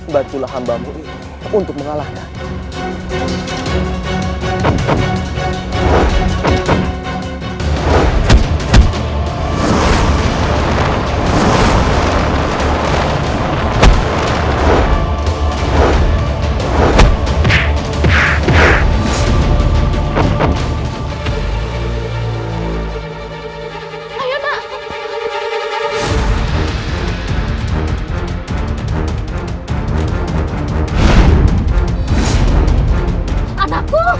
bantulah hambamu itu untuk mengalahkan